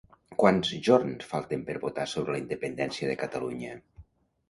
Quants jorns falten per votar sobre la independència de Catalunya?